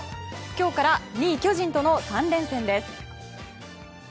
今日から２位、巨人との３連戦です。